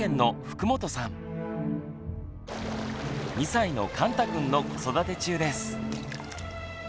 ２歳のかんたくんの子育て中です。